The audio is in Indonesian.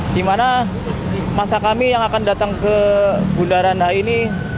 di mana masa kami yang akan datang ke bundaran hi ini